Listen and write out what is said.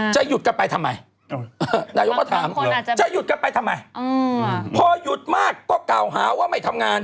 จะหยุดกันไปทำไม